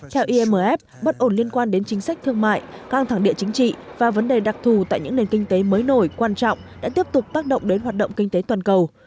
theo imf bất ổn liên quan đến chính sách thương mại căng thẳng địa chính trị và vấn đề đặc thù tại những nền kinh tế mới nổi quan trọng đã tiếp tục tác động đến hoạt động kinh tế toàn cầu